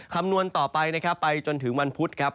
คำนวณต่อไปไปจนถึงวันพุธครับ